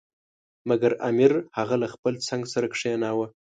مګر امیر هغه له خپل څنګ سره کښېناوه.